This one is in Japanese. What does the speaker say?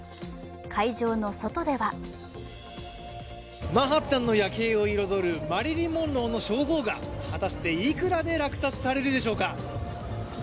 会場の外ではマンハッタンの夜景を彩るマリリン・モンローの肖像画、果たして、いくらで落札されるでしょうか。